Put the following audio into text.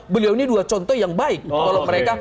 beliau ini dua contoh yang baik